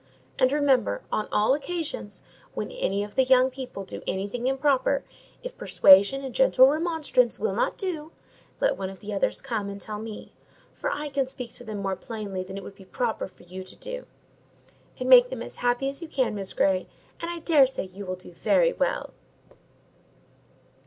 And remember, on all occasions, when any of the young people do anything improper, if persuasion and gentle remonstrance will not do, let one of the others come and tell me; for I can speak to them more plainly than it would be proper for you to do. And make them as happy as you can, Miss Grey, and I dare say you will do very well."